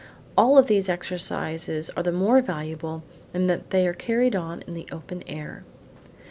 All of these exercises are the more valuable in that they are carried on in the open air.